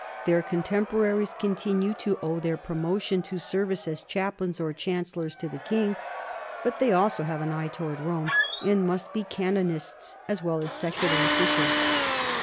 Their contemporaries continue to owe their promotion to service as chaplains or chancellors to the king, but they also have an eye toward Rome and must be canon ists as well as secular officials.